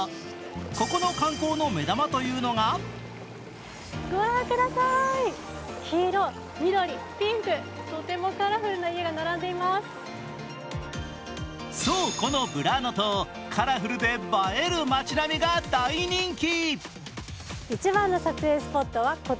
ここの観光の目玉というのがそう、このブラーノ島、カラフルで映える町並みが大人気。